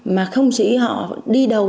mà không chỉ họ đi đầu